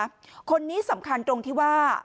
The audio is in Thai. คนนี้สำคัญตรงที่ว่า